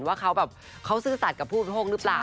ว่าเขาแบบเขาซื่อสัตว์กับผู้บริโภคหรือเปล่า